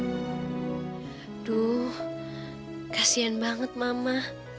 aduh kasihan banget mama